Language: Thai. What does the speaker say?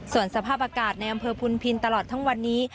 ส่วนสภาพอากาศในอำเภอพุนพินตลอดทั้งวันนี้